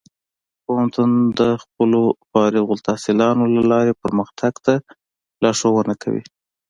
پوهنتون د خپلو فارغ التحصیلانو له لارې پرمختګ ته لارښوونه کوي.